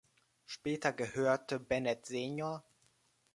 Später gehörte Bennet Sr.